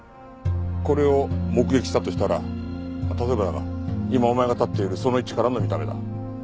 これを目撃したとしたら例えばだが今お前が立っているその位置からの見た目だ。